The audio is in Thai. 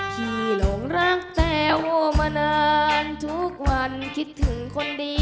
ที่หลงรักแต้วมานานทุกวันคิดถึงคนดี